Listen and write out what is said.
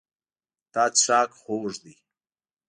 دا څښاک خوږ دی.